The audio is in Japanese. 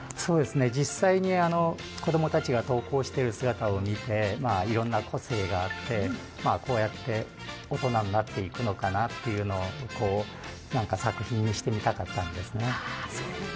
実際に子供たちが登校する姿を見ていろんな個性があって、こうやって大人になっていくのかなというのをなんか作品にしてみたかったんですね。